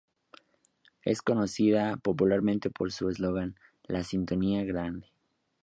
Es conocida popularmente por su eslogan ""La sintonía grande"".